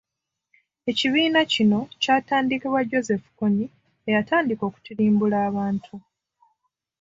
Ekibiina kino kyatandikibwa Joseph Kony eyatandika okutirimbula abantu.